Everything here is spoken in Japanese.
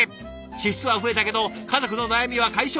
「支出は増えたけど家族の悩みは解消。